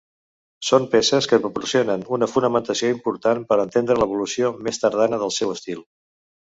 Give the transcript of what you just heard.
Són peces que proporcionen una fonamentació important per entendre l'evolució més tardana del seu estil.